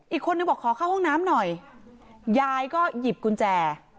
อีกคนนึงบอกขอเข้าห้องน้ำหน่อยยายก็หยิบกุญแจ